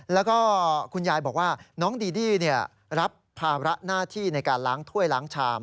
แล้วก็คุณยายบอกว่าน้องดีดี้รับภาระหน้าที่ในการล้างถ้วยล้างชาม